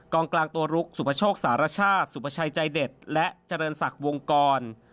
กลางกลางตัวลุกสุปโชคสารชาติสุภาชัยใจเด็ดและเจริญศักดิ์วงกร